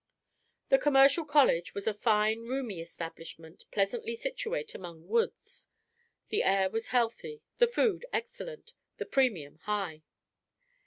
The commercial college was a fine, roomy establishment, pleasantly situate among woods. The air was healthy, the food excellent, the premium high.